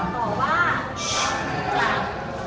ขอบว่าใช้กรรมมีจักร